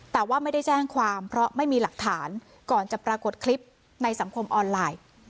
แต่ว่าไม่ได้แจ้งความเพราะไม่มีหลักฐานก่อนจะปรากฏคลิปในสังคมออนไลน์